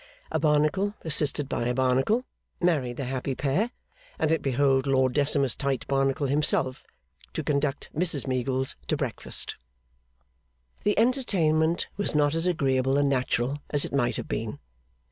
A Barnacle (assisted by a Barnacle) married the happy pair, and it behoved Lord Decimus Tite Barnacle himself to conduct Mrs Meagles to breakfast. The entertainment was not as agreeable and natural as it might have been.